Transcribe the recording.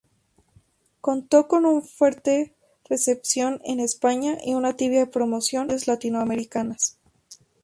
Contó con una fuerte recepción en España y una tibia promoción en radios latinoamericanas.